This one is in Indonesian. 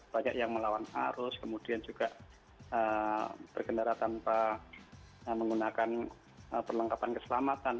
banyak yang melawan arus kemudian juga berkendara tanpa menggunakan perlengkapan keselamatan